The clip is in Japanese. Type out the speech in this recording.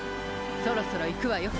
そろそろ行くわよ。